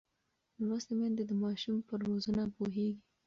لوستې میندې د ماشوم پر روزنه پوهېږي.